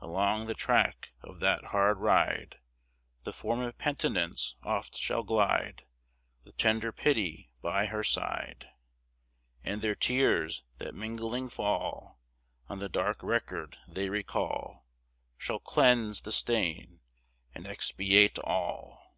Along the track of that hard ride The form of Penitence oft shall glide, With tender Pity by her side; And their tears, that mingling fall On the dark record they recall, Shall cleanse the stain and expiate all.